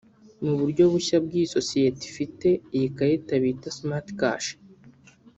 Mu buryo bushya bw’iyi sosiyete ufite iyi karita bita ‘Smartcash’